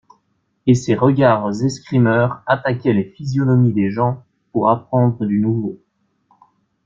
Et ses regards escrimeurs attaquaient les physionomies des gens pour apprendre du nouveau.